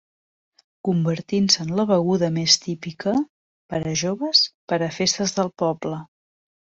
Convertint-se en la beguda més típica per a joves per a festes del poble.